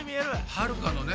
はるかのね